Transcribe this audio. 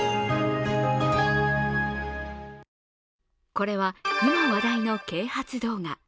これは、今、話題の啓発動画。